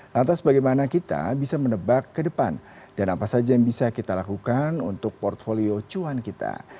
lantas bagaimana kita bisa menebak ke depan dan apa saja yang bisa kita lakukan untuk portfolio cuan kita